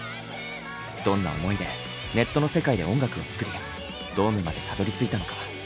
どんな思いでネットの世界で音楽を作りドームまでたどりついたのか。